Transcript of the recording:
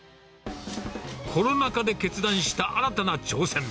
コロナ禍で決断した新たな挑戦。